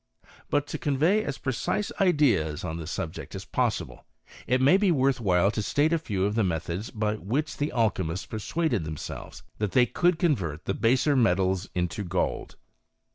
f But to convey as precise ideas on this subject ai possible, it may be worth while ta state a few of thi methods by which the alchymists persuaded themselve that they could convert the baser metals into gold.